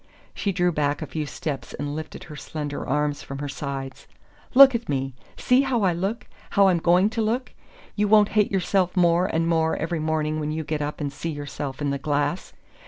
She drew back a few steps and lifted her slender arms from her sides. "Look at me see how I look how I'm going to look! YOU won't hate yourself more and more every morning when you get up and see yourself in the glass!